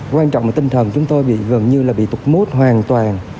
quan trọng là tinh thần chúng tôi bị gần như là bị tục mốt hoàn toàn